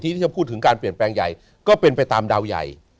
ที่จะพูดถึงการเปลี่ยนแปลงใหญ่ก็เป็นไปตามดาวใหญ่